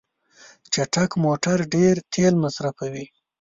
چټک موټر ډیر تېل مصرفوي.